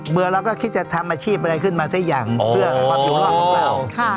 เบื่อแล้วก็คิดจะทำอาชีพอะไรขึ้นมาสิอย่างสำหรับอยู่ร่องเบรา